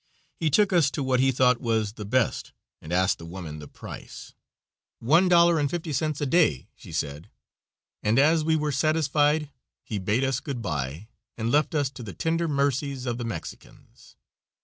He took us to what he thought was the best, and asked the woman the price. "One dollar and fifty cents a day," she said, and us we were satisfied he bade us good bye, and left us to the tender mercies of the Mexicans.